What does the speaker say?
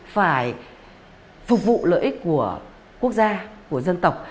phải phục vụ lợi ích của quốc gia của dân tộc